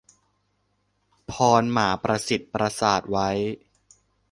พรหมาประสิทธิ์ประสาทไว้